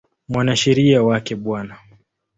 Mwanasheria wake Bw.